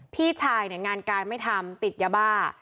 พี่ชายเนี่ยงานการไม่ทำติดยาบ้า